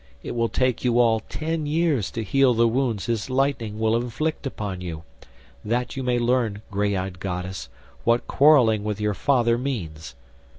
It will take you all ten years to heal the wounds his lightning will inflict upon you, that you may learn, grey eyed goddess, what quarrelling with your father means.